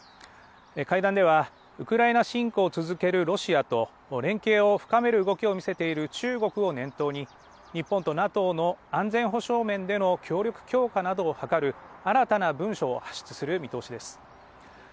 会談ではウクライナ侵攻を続けるロシアと連携を深める動きを見せている中国を念頭に日本とＮＡＴＯの安全保障面での協力強化などを図る新たな文書を発出する見通しです。